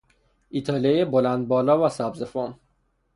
ایتالیایی بلند بالا و سبزه فام